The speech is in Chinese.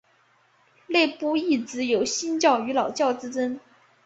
内部一直有新教与老教之争。